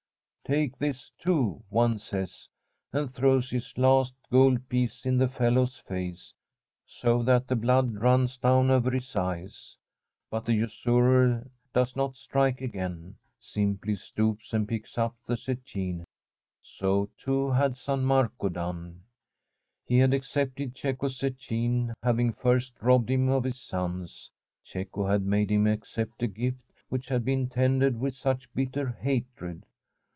' Take this too,' one says, and throws his last gold piece in the fellow's face so that the blood runs down over his eyes. But the usurer does not strike again — simply stoops and picks up the zec chine. So, too, had San Marco done. He had ac cepted Cecco's zecchine, having first robbed him of his sons. Cecco had made hirn accept a gift which had been tendered with such bitter hatred.